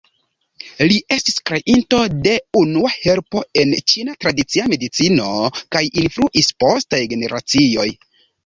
Li ests kreinto de unua helpo en Ĉina tradicia medicino kaj influis postaj generacioj.